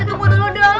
eh tunggu dulu dong